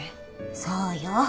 そうよ